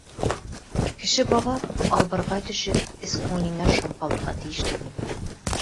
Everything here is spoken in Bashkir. Кеше баҙап, албырғай төшөп, эс-күңеленә шом һалырға тейеш түгел.